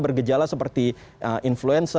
bergejala seperti influenza